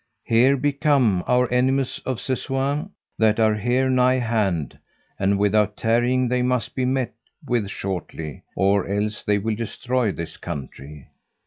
Here be come our enemies of Sessoin, that are here nigh hand, and without tarrying they must be met with shortly, or else they will destroy this country.